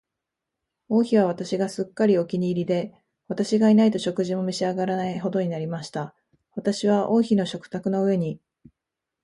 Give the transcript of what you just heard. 王妃は私がすっかりお気に入りで、私がいないと食事も召し上らないほどになりました。私は王妃の食卓の上に、